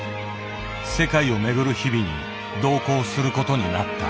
世界を巡る日々に同行することになった。